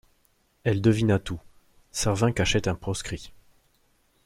Elle devina tout : Servin cachait un proscrit.